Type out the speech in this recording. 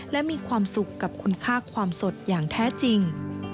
และมีความสุขกับคุณค่าความสดอย่างแท้จริง